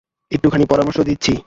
একটুখানি পরামর্শ দিচ্ছি।